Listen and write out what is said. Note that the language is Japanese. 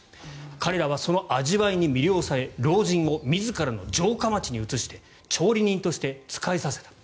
彼らはその味わいに魅了され老人を自らの城下町に移して調理人として仕えさせた。